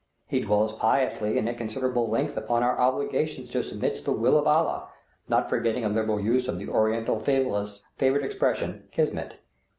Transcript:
He dwells piously and at considerable length upon our obligations to submit to the will of Allah, not forgetting a liberal use of the Oriental fatalist's favorite expression: "kismet."